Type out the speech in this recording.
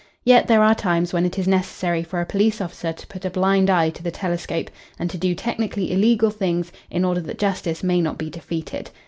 Yet there are times when it is necessary for a police officer to put a blind eye to the telescope and to do technically illegal things in order that justice may not be defeated.